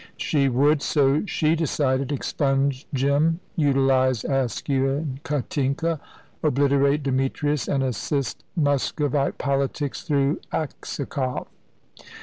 She would, so she decided, expunge Jim, utilise Askew and Katinka, obliterate Demetrius, and assist Muscovite politics through Aksakoff.